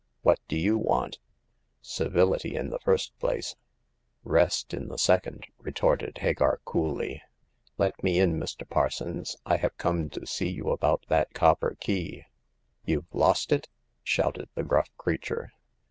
What do you want ?"_Civility in the first place ; rest in the The Fifth Customer. 137 second !" retorted Hagar, coolly. " Let me in, Mr. Parsons. I have come to see you about that copper key/* YouVe lost it ?" shouted the gruff creature.